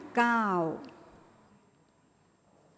ออกรางวัลที่๖เลขที่๗